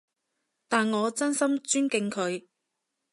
但我真心尊敬佢